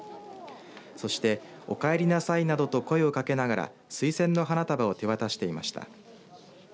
そして、お帰りなさいなどと声をかけながら水仙の花束を手渡していました。